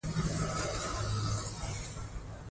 هغه د بایسکل په نړۍ کې انقلاب راوست.